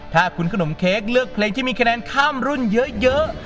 ถ้าคุณขนมเค้กเลือกเพลงที่มีคะแนนข้ามรุ่นเยอะ